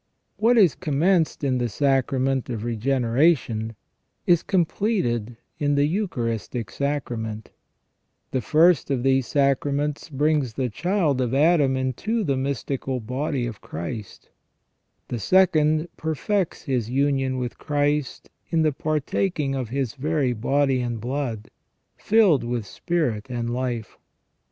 What is commenced in the sacrament of regeneration is completed in the Eucharistic Sacrament The first of these sacraments brings the child of Adam into the mystical body of Christ ; the second perfects his union with Christ in the partaking of His very body and blood, filled with spirit and life.